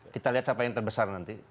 kita lihat siapa yang terbesar nanti